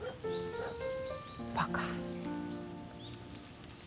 バカ。